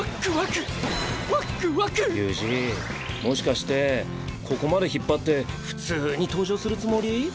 もしかしてここまで引っ張って普通に登場するつもり？